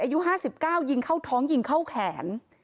อายุ๕๙ยิงเข้าท้องยิงเข้าแขน